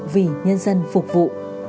vì nhân dân phục vụ